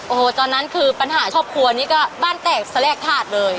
โอ้โหตอนนั้นคือปัญหาครอบครัวนี้ก็บ้านแตกแสแรกถาดเลย